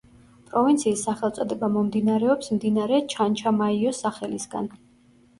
პროვინციის სახელწოდება მომდინარეობს მდინარე ჩანჩამაიოს სახელისგან.